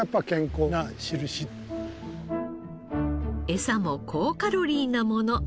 エサも高カロリーなもの